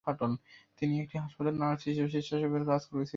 তিনি একটি হাসপাতালে নার্স হিসাবে স্বেচ্ছাসেবকের কাজ করেছিলেন।